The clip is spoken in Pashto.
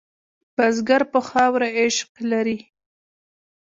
بزګر په خاوره عشق لري